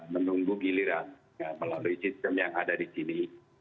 menunggu giliran melalui sistem yang ada di sini